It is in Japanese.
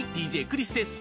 ＤＪクリスです。